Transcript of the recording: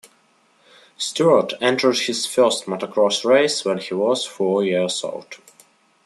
Stewart entered his first motocross race when he was four years old.